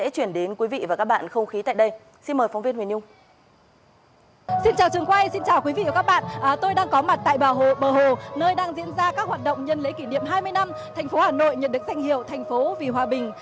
thành phố hà nội nhận được danh hiệu thành phố vì hòa bình